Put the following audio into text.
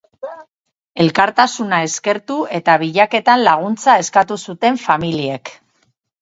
Elkartasuna eskertu eta bilaketan laguntza eskatu zuten familiek.